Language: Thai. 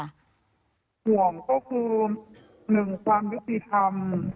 ห่วงก็คือหนึ่งความยุติธรรม